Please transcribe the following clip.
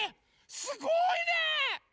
すごいね！